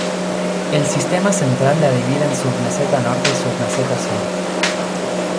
El sistema Central la divide en Submeseta norte y Submeseta sur.